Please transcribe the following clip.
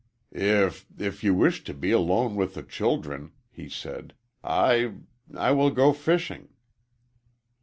"If if you wish to be alone with the children," he said, "I I will go fishing."